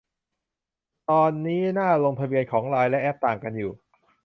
ตอนนี้หน้าลงทะเบียนของไลน์และแอป ต่างกันอยู่